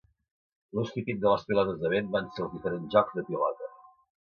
L’ús típic de les pilotes de vent van ser els diferents jocs de pilota.